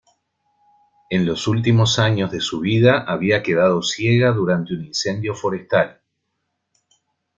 En los últimos años de su vida había quedado ciega durante un incendio forestal.